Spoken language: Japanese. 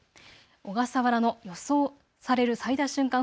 小笠原の予想される最大瞬間